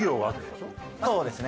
そうですね。